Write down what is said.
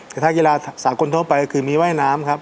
แต่ถ้ากีฬาสากลทั่วไปคือมีว่ายน้ำครับ